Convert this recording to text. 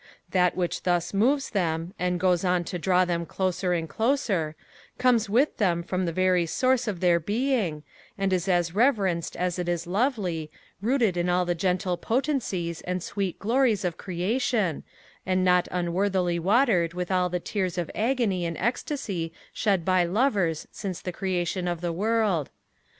That which thus moves them, and goes on to draw them closer and closer, comes with them from the very source of their being, and is as reverend as it is lovely, rooted in all the gentle potencies and sweet glories of creation, and not unworthily watered with all the tears of agony and ecstasy shed by lovers since the creation of the world.